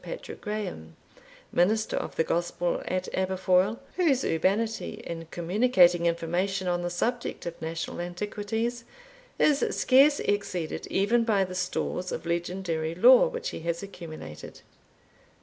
Patrick Grahame, minister of the gospel at Aberfoil, whose urbanity in communicating information on the subject of national antiquities, is scarce exceeded even by the stores of legendary lore which he has accumulated.